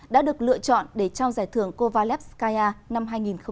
đã được lựa chọn để trao giải thưởng covalep skaja năm hai nghìn một mươi chín